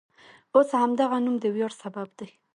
اوس همدغه نوم د ویاړ سبب دی.